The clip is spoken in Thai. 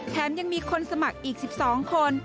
แถมยังมีคนสมัครอีก๑๒คน